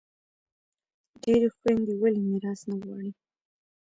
ډیری خویندي ولي میراث نه غواړي؟